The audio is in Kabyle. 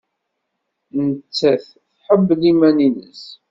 Nettat tḥemmel iman-nnes.